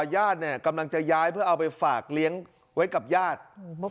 ญาติเนี่ยกำลังจะย้ายเพื่อเอาไปฝากเลี้ยงไว้กับญาติ